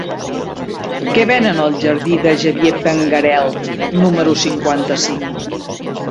Què venen al jardí de Xavier Benguerel número cinquanta-cinc?